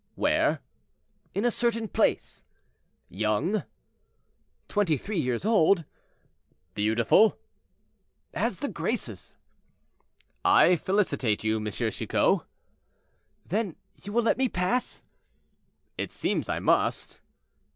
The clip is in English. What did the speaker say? "Where?" "In a certain place." "Young?" "Twenty three years old." "Beautiful?" "As the graces." "I felicitate you, M. Chicot." "Then you will let me pass?" "It seems I must."